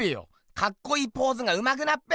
かっこいいポーズがうまくなっぺ！